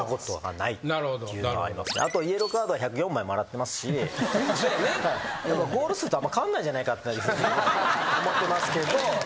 あとイエローカードは１０４枚もらってますしゴール数とあんま変わんないんじゃないかって思ってますけど。